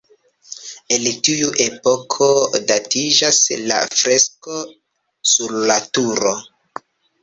El tiu epoko datiĝas la fresko sur la turo.